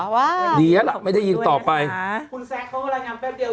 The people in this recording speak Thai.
ว้าวเหลียละไม่ได้ยินต่อไปคุณแซ็กเข้าเข้าอะไรงามแป๊บเดียว